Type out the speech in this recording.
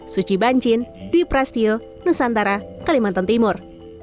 suci bancin dwi prasetyo nusantara kalimantan timur